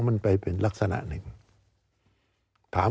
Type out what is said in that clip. สวัสดีครับทุกคน